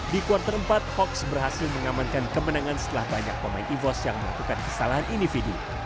di kuartal empat hoax berhasil mengamankan kemenangan setelah banyak pemain evos yang melakukan kesalahan individu